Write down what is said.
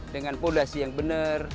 dengan podasi yang benar